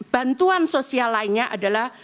bantuan sosial lainnya adalah